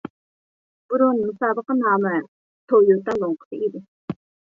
بۇرۇن مۇسابىقە نامى تويوتا لوڭقىسى ئىدى.